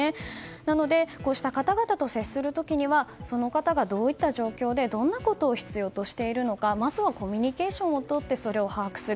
なのでこうした方々と接する時にはその方がどういった状況でどんなことを必要としているのかまずは、コミュニケーションをとって把握する。